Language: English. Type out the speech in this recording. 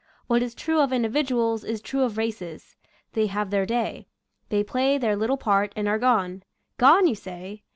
What is true of individuals is true of races. They have their day; they play their little part, and are gone. Gone, you say?